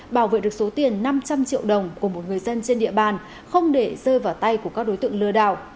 bảo vệ được số tiền năm trăm linh triệu đồng của một người dân trên địa bàn không để rơi vào tay của các đối tượng lừa đảo